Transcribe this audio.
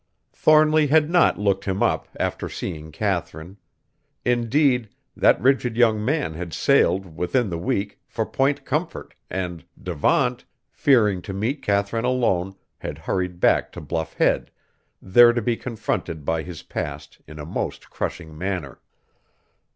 Thornly had not "looked him up" after seeing Katharine. Indeed, that rigid young man had sailed, within the week, for Point Comfort, and Devant, fearing to meet Katharine alone, had hurried back to Bluff Head, there to be confronted by his Past in a most crushing manner.